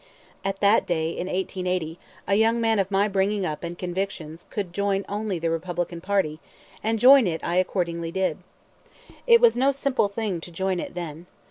At that day, in 1880, a young man of my bringing up and convictions could join only the Republican party, and join it I accordingly did. It was no simple thing to join it then.